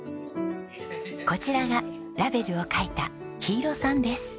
こちらがラベルを描いた陽色さんです。